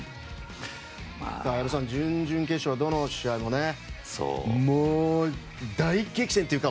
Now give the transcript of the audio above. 矢部さん、準々決勝どの試合ももう、大激戦というか。